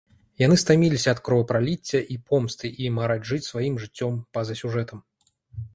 Яны стаміліся ад кровапраліцця і помсты і мараць жыць сваім жыццём па-за сюжэтам.